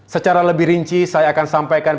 secara lebih rinci saya akan sampaikan